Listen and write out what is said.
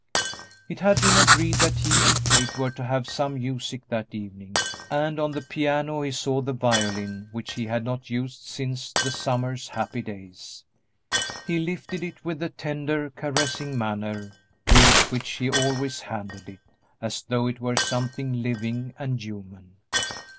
It had been agreed that he and Kate were to have some music that evening, and on the piano he saw the violin which he had not used since the summer's happy days. He lifted it with the tender, caressing manner with which he always handled it, as though it were something living and human.